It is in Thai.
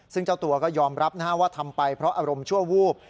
ซึ่งเจ้าตัวก็ยอมรับว่าทำไปเพราะอารมณ์ชั่ววูบ